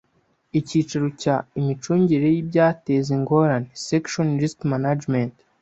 Icyiciro cya Imicungire y ibyateza ingorane Section Risk management